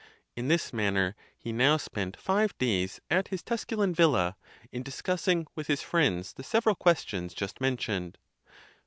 In this manner he now spent five days at his Tusculan' villa in dis cussing with his friends the several questions just men tioned.